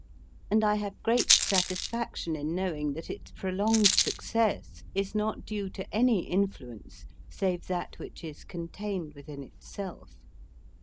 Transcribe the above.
And I have great satisfaction in knowing that its prolonged success is not due to any influence save that which is contained within itself.